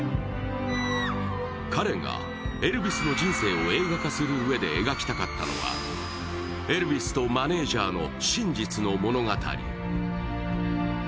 彼がエルヴィスの人生を映画化するうえで描きたかったのはエルヴィスとマネージャーの真実の物語。